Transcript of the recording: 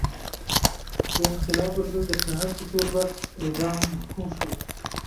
د انقلاب پر ضد د خیانت په تور په اعدام محکوم شو.